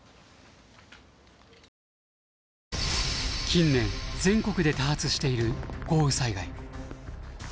近年全国で多発している豪雨災害。